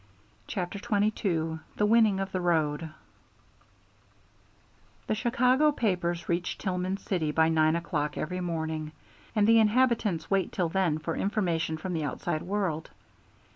CHAPTER XXII THE WINNING OF THE ROAD The Chicago papers reach Tillman City by nine o'clock every morning, and the inhabitants wait till then for information from the outside world.